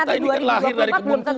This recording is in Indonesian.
kita ini lahir dari kebun tuhan